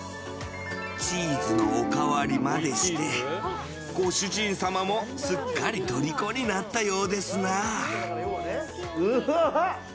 チーズのおかわりまでしてご主人様もすっかりとりこになったようですな。